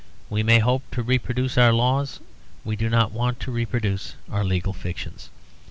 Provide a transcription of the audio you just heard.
We may hope to reproduce our laws, we do not want to reproduce our legal fictions.